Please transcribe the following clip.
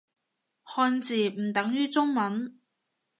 漢字唔等於中文